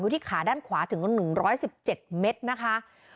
ที่ขาด้านขวาถึง๑๑๗เมตรนะคะ